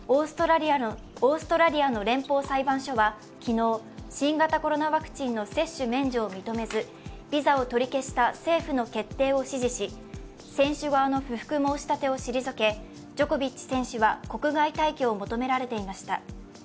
オーストラリアの連邦裁判所は昨日、新型コロナワクチンの接種免除を認めず、ビザを取り消した政府の決定を支持し、選手側の不服申し立てを退けジョコビッチ選手は国外退去を求められていました。